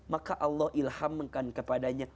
maka allah ilhamkan kepadanya